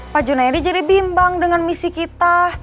pak junaidi jadi bimbang dengan misi kita